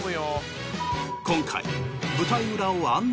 今回。